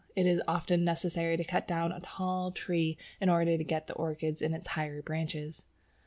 It is often necessary to cut down a tall tree in order to get the orchids in its higher branches.